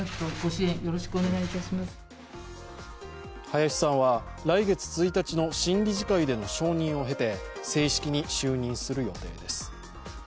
林さんは来月１日の新理事会での承認を経て正式に就任する予定です。